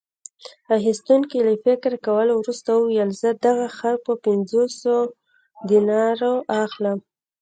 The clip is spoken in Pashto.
اخیستونکي له فکر کولو وروسته وویل: زه دغه خر په پنځوسو دینارو اخلم.